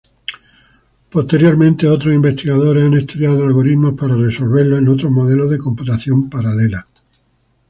Posteriormente otros investigadores han estudiado algoritmos para resolverlo en otros modelos de computación paralela.